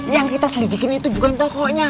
yang kita selijikin itu bukan tokonya